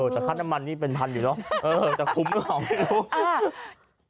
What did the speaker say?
แต่ท่านน้ำมันนี่เป็นพันอยู่เนอะแต่คุ้มของไม่รู้